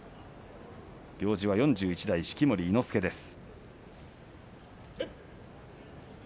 行司は４１代式守伊之助です。